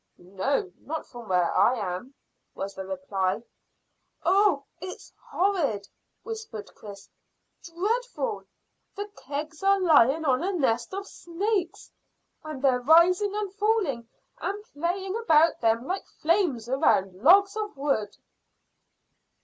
"No, not from where I am," was the reply. "Oh, it's horrid," whispered Chris; "dreadful! The kegs are lying on a nest of snakes, and they're rising and falling and playing about them like flames round logs of wood."